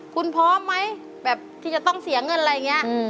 คุณพร้อมไหมแบบที่จะต้องเสียเงินอะไรอย่างนี้